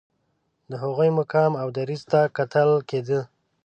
د هغوی مقام او دریځ ته کتل کېده.